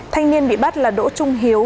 thanh niên bị bắt là đỗ trung hiếu